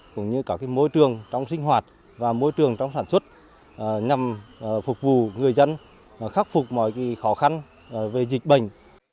cũng như các môi trường trong sinh hoạt và môi trường trong sản xuất nhằm phục vụ người dân khắc phục mọi khó khăn về dịch bệnh